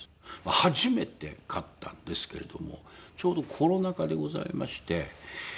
初めて飼ったんですけれどもちょうどコロナ禍でございまして。